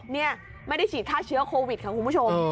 นี่ไม่ได้ฉีดฆ่าเชื้อโควิดค่ะคุณผู้ชม